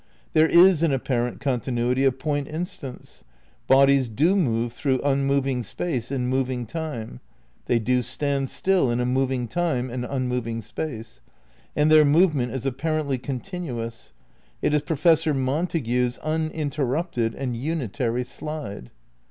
There is an apparent continuity of point instants; bodies do move through unmoving space in moving time ; they do stand still in a moving time and unmoving space; and their move ment is apparently continuous; it is Professor Mon tague's "uninterrupted and unitary slide."